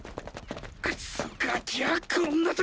クソガキャあこんな時！